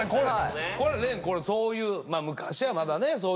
これ廉そういう昔はまだねそういう時代